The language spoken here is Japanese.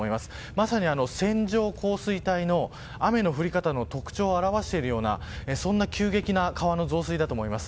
まさに線状降水帯の雨の降り方の特徴を表しているようなそんな急激な川の増水だと思います。